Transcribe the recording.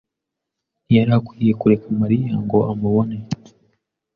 ntiyari akwiye kureka Mariya ngo amubone.